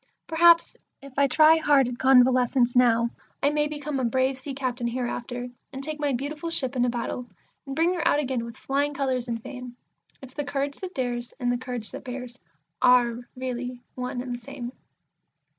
Perhaps, if I try hard at Convalescence now, I may become a brave sea captain hereafter, and take my beautiful ship into battle, and bring her out again with flying colours and fame, If the courage that dares, and the courage that bears, are really one and the same.